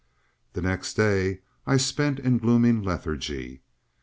.. The next day I spent in gloomy lethargy.